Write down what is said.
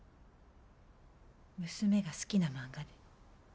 娘が好きな漫画で。